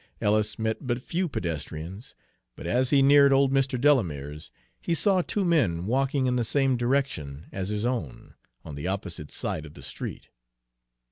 Ellis met but few pedestrians, but as he neared old Mr. Delamere's, he saw two men walking in the same direction as his own, on the opposite side of the street.